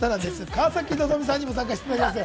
川崎希さんにも参加していただきます。